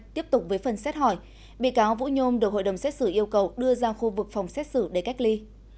tiếp tục với phần xét hỏi bị cáo vũ nhôm được hội đồng xét xử yêu cầu đưa ra khu vực phòng xét xử để cách ly